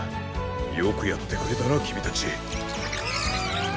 よくやってくれたなきみたち。